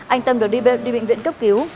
anh tâm được đi bệnh viện cấp cứu